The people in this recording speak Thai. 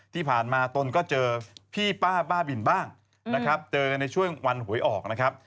ที่ผ่านมาตนก็เจอพี่ป้าบ้าบินบ้างนะครับเจอกันในช่วงวันหวยออกนะครับ